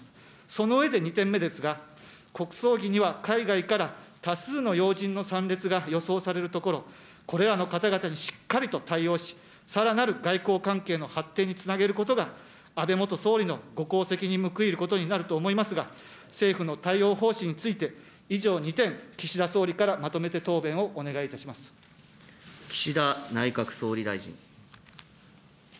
その上で２点目ですが、国葬儀には海外から多数の要人の参列が予想されるところ、これらの方々にしっかりと対応し、さらなる外交関係の発展につなげることが、安倍元総理のご功績に報いることになると思いますが、政府の対応方針について、以上２点、岸田総理からまとめて答弁をお願いいた岸田内閣総理大臣。